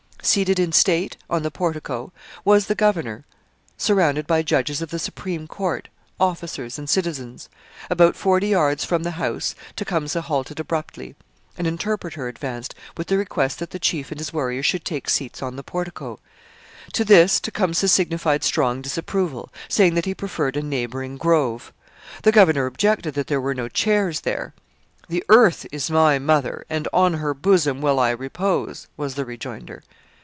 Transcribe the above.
Seated in state on the portico was the governor, surrounded by judges of the Supreme Court, officers, and citizens. About forty yards from the house Tecumseh halted abruptly. An interpreter advanced with the request that the chief and his warriors should take seats on the portico. To this Tecumseh signified strong disapproval, saying that he preferred a neighbouring grove. The governor objected that there were no chairs there. 'The earth is my mother, and on her bosom will I repose,' was the rejoinder.